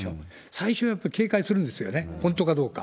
最初はやっぱり警戒するんですよね、本当かどうか。